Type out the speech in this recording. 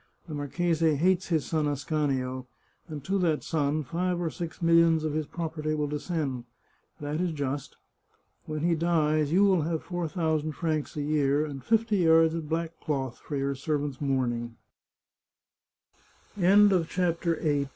The marchese hates his son Ascanio, and to that son the five or six millions of his property will descend. That is just. When he dies you will have four thousand francs a year, and fifty yards of black cloth for your se